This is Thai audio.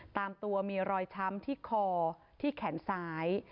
ตามตัวมีรอยช้ำที่คอที่แขนซ้าย